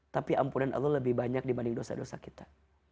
tapi ampunan allah lebih banyak dibanding dosa dosa kita